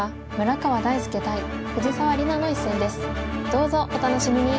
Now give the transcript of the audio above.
どうぞお楽しみに！